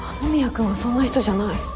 雨宮くんはそんな人じゃない。